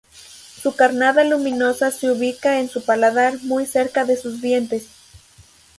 Su carnada luminosa se ubica en su paladar, muy cerca de sus dientes.